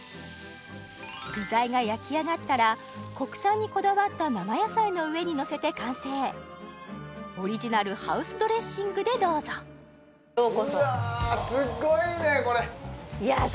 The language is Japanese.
具材が焼き上がったら国産にこだわった生野菜の上にのせて完成オリジナルハウスドレッシングでどうぞうわすごいねこれ！